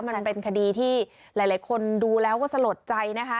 มันเป็นคดีที่หลายคนดูแล้วก็สลดใจนะคะ